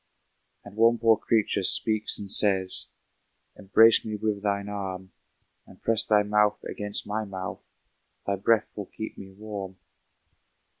And one poor creature speaks and says, "Embrace me with thine arm, And press thy mouth against my mouth, Thy breath will keep me warm."